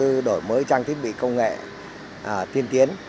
chúng tôi đã đổi mới trang thiết bị công nghệ tiên tiến